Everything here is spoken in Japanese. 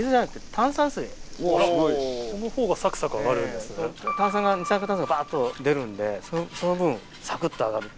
炭酸が二酸化炭素バッと出るんでその分サクっと揚がるっていう。